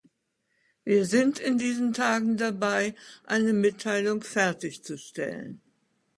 Wir sind in diesen Tagen dabei, eine Mitteilung fertig zu stellen.